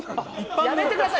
やめてください！